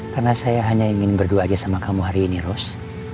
karena saya hanya ingin berdua aja sama kamu hari ini ros